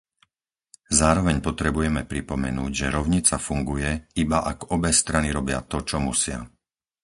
Zároveň potrebujeme pripomenúť, že rovnica funguje, iba ak obe strany robia to, čo musia.